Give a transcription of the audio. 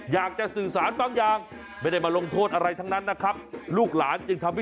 อยากจะสื่อสารบางอย่างไม่ได้มาลงโทษอะไรทั้งนั้นนะครับ